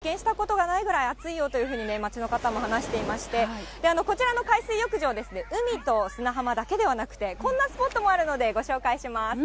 そうですね、これまでには経験したことがないぐらい暑いよというふうに街の方も話していまして、こちらの海水浴場ですね、海と砂浜だけではなくて、こんなスポットもあるので、ご紹介します。